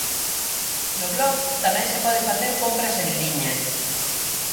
No blog tamén se poden facer compras en liña.